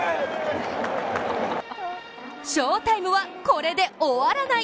翔タイムはこれで終わらない。